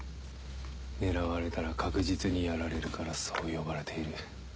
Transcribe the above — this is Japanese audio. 狙われたら確実に殺られるからそう呼ばれている。